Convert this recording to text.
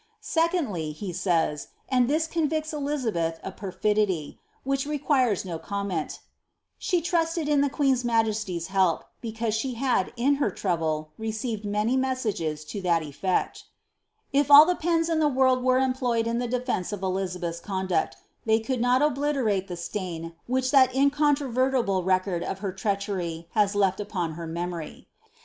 Secondly, he says, and this convicts Elizabeth of perfidy, which requires no comment, ^^She trusted in the queen's majesty's help, because she had, in her trouble, received many messages to that efiecu" * If all the pens in the world were employed in the defence of Eliza beth's conduct, they could not obliterate the stain which that incontro vertible record of her treachery has led upon her memory.